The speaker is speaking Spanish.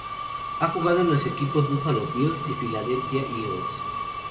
Ha jugado en los equipos Buffalo Bills y Philadelphia Eagles.